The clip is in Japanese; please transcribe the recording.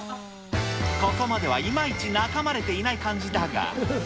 ここまではいまいちナカマれていない感じだが。